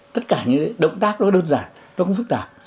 tất cả những động tác đó đơn giản nó không phức tạp